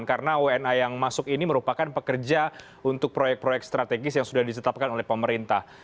karena wna yang masuk ini merupakan pekerja untuk proyek proyek strategis yang sudah ditetapkan oleh pemerintah